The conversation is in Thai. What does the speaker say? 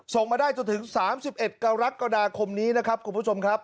ส่งมาได้จนถึง๓๑กรกฎาคมนี้นะครับคุณผู้ชมครับ